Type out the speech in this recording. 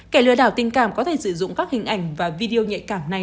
kẻ lừa đảo tình cảm có thể sử dụng các hình ảnh và video nhạy cảm này